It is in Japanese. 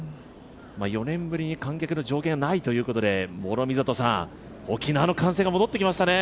４年ぶりに観客の上限がないということで沖縄の歓声が戻ってきましたね。